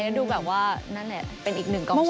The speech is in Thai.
แล้วดูแบบว่านั่นแหละเป็นอีกหนึ่งกองเชียร์